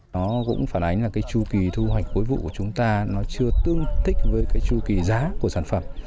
nó cũng phản ánh là cái chu kỳ thu hoạch cuối vụ của chúng ta nó chưa tương thích với cái chu kỳ giá của sản phẩm